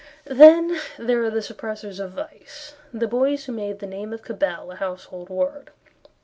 Then there are the Suppressors of Vice; The Boys Who Made the Name of Cabell a Household Word.